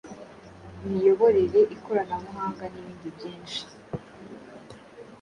imiyoborere, ikoranabuhanga n’ibindi byinshi.